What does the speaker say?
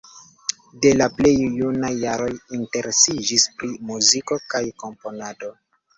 De la plej junaj jaroj interesiĝis pri muziko kaj komponado.